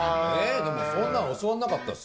そんなん教わんなかったです